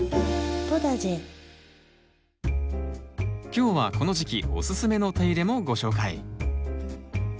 今日はこの時期おすすめの手入れもご紹介。